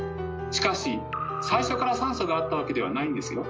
しかし最初から酸素があったわけではないんですよ。